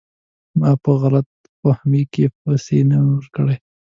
ما په غلط فهمۍ کې پیسې نه وې ورکړي.